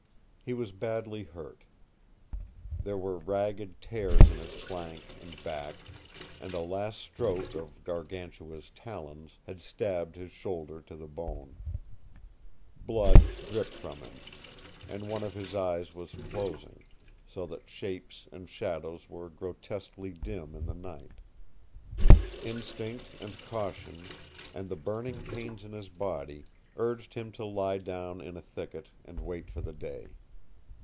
He was badly hurt. There were ragged tears in his flank and back, and a last stroke of Gargantua's talons had stabbed his shoulder to the bone. Blood dripped from him, and one of his eyes was closing, so that shapes and shadows were grotesquely dim in the night. Instinct and caution, and the burning pains in his body, urged him to lie down in a thicket and wait for the day.